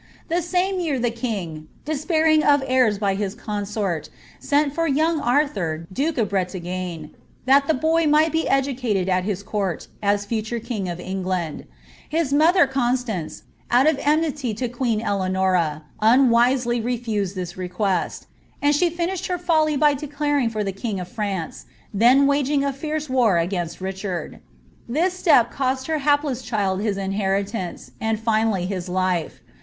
The same year the king, despairing of heirs by his consort, sent for young Arthur, duke of Bretagne, that the boy might be educated at his court, as future king of England. His mother Constance, out of enmity to queen Eleanora, unwisely refused this request, and she finished her folly by declaring for the king of France, then waging a fierce war against Richard. This step cost her hapless child his inheritance, and finally his life.